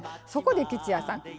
そこで吉弥さん